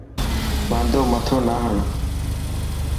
واندو مٿو نه هڻ.